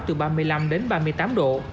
từ ba mươi năm đến ba mươi tám độ